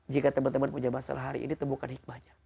jika teman teman punya masalah hari ini temukan hikmahnya